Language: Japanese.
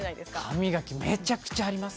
歯磨きめちゃくちゃあります。